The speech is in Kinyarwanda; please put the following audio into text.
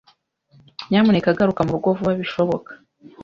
Nyamuneka garuka murugo vuba bishoboka.